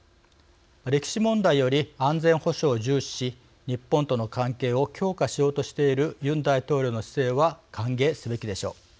歴史問題より安全保障を重視し日本との関係を強化しようとしているユン大統領の姿勢は歓迎すべきでしょう。